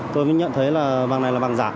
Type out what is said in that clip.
tôi mới nhận thấy là bằng này là bằng giả